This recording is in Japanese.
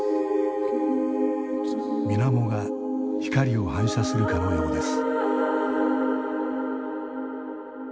みなもが光を反射するかのようです。